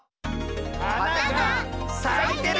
はながさいてる！